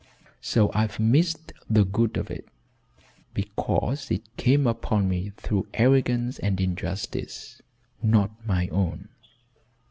So I've missed the good of it because it came upon me through arrogance and injustice not my own.